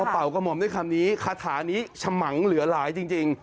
เป่ากระหม่อมด้วยคำนี้คาถานี้ฉมังเหลือหลายจริง